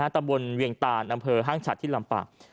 ตำบลเวียงตานอำเภอห้างฉัดที่ลำปาก